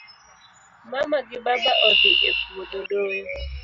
Mama gi baba odhii e puodho doyo